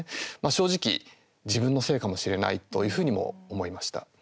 正直、自分のせいかもしれないというふうにも思いました。